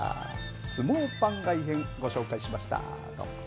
相撲番外編、ご紹介しました。